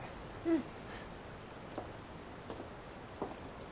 うん。